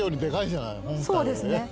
そうですね。